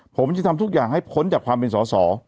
ผมจะทำทุกอย่างให้พ้นจากความเป็นสอสอ